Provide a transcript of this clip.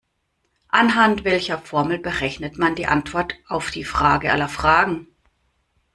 Anhand welcher Formel berechnet man die Antwort auf die Frage aller Fragen?